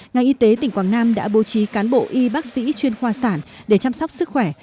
ngành y tế tỉnh quảng nam đã bố trí cán bộ y bác sĩ chuyên khoa sản để chăm sóc sức khỏe